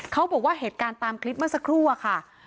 เขาบอกว่าเหตุการณ์ตามคลิปเมื่อสักครู่อะค่ะ